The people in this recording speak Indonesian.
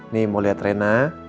nih mau liat rena